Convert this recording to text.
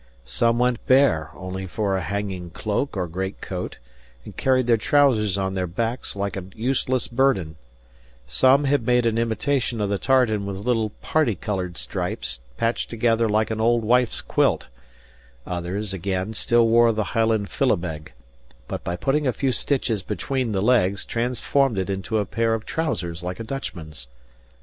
Some went bare, only for a hanging cloak or great coat, and carried their trousers on their backs like a useless burthen: some had made an imitation of the tartan with little parti coloured stripes patched together like an old wife's quilt; others, again, still wore the Highland philabeg, but by putting a few stitches between the legs transformed it into a pair of trousers like a Dutchman's.